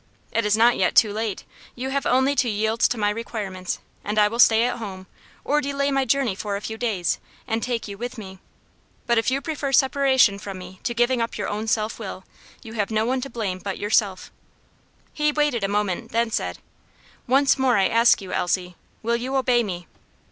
It is not yet too late; you have only to yield to my requirements, and I will stay at home, or delay my journey for a few days, and take you with me. But if you prefer separation from me to giving up your own self will, you have no one to blame but yourself." He waited a moment, then said: "Once more I ask you, Elsie, will you obey me?"